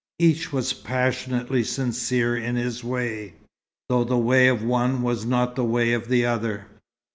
Each was passionately sincere in his way, though the way of one was not the way of the other.